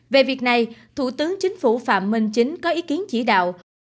về việc này thủ tướng chính phủ phạm minh chính có ý kiến chỉ đạo